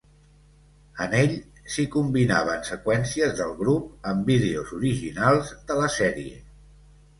En ell s'hi combinaven seqüències del grup amb vídeos originals de la sèrie.